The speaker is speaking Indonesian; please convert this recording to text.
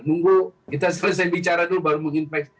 nunggu kita selesai bicara dulu baru meng infect